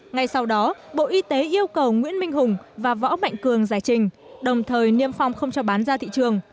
ngay sau đó bộ y tế yêu cầu nguyễn minh hùng và võ mạnh cường giải trình đồng thời niêm phong không cho bán ra thị trường